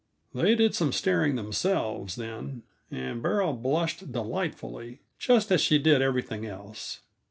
They did some staring themselves, then, and Beryl blushed delightfully just as she did everything else.